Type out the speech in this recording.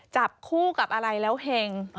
จับคู่กับอะไรแล้วเห็ง